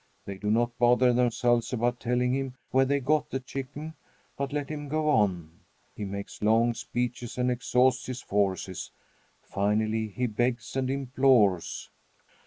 They do not bother themselves about telling him where they got the chicken, but let him go on. He makes long speeches and exhausts his forces. Finally he begs and implores.